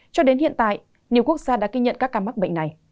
cho đến hiện tại nhiều quốc gia đã ghi nhận các ca mắc bệnh này